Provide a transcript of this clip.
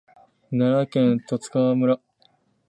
奈良県十津川村